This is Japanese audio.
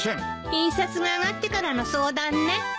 印刷が上がってからの相談ね。